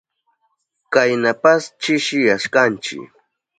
Kaynapas chishiyashkanchi.